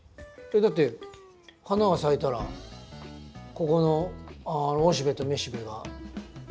えっだって花が咲いたらここのおしべとめしべが。